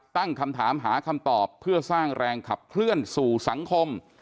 ตั้งคำถามหาคำตอบเพื่อสร้างแรงขับเคลื่อนสู่สังคม